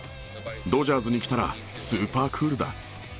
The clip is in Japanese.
ドジャースに来たら、スーパークールだ。